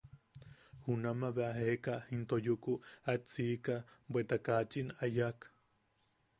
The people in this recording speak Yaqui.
Junamaʼa bea jeeka into yuku aet siika, bweta kaachin a yak.